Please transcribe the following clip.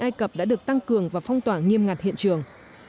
ai cập đã được tăng cường và phong tỏa nghiêm ngặt hiện trường